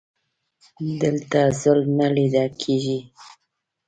دلته ظلم نه لیده کیږي.